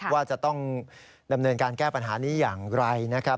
ว่าจะต้องดำเนินการแก้ปัญหานี้อย่างไรนะครับ